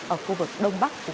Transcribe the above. ở khu vực đông bắc ukraine